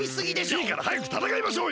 いいからはやくたたかいましょうよ！